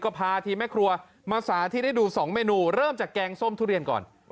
ก็พาทีมแม่ครัวมาสาธิตให้ดู๒เมนูเริ่มจากแกงส้มทุเรียนก่อน